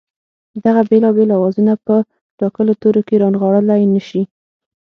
دغه بېلابېل آوازونه په ټاکلو تورو کې رانغاړلای نه شي